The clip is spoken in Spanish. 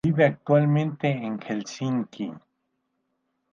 Vive actualmente en Helsinki.